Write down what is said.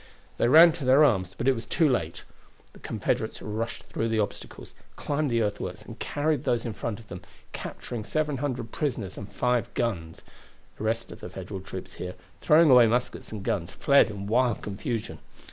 They ran to their arms, but it was too late. The Confederates rushed through the obstacles, climbed the earthworks, and carried those in front of them, capturing 700 prisoners and five guns. The rest of the Federal troops here, throwing away muskets and guns, fled in wild confusion.